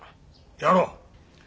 やろう。